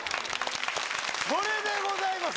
それでございます。